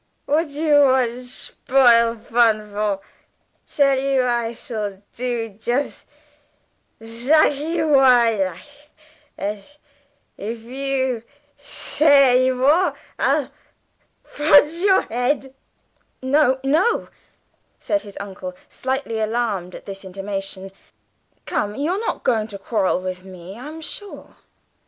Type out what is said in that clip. What do you want shpoil fun for? Tell you I shall do jus' zackly wharriplease. And, if you shay any more, I'll punch y' head!" "No, no," said his uncle, slightly alarmed at this intimation. "Come, you're not going to quarrel with me, I'm sure!"